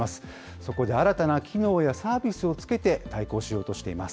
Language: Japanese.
そこで新たな機能やサービスをつけて対抗しようとしています。